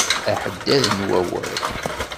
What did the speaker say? Aḥeddad n wawal.